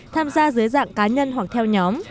tham gia dưới dạng cá nhân hoặc theo nhóm